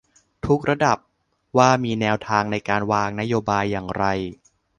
ทุกระดับว่ามีแนวทางในการวางนโยบายอย่างไร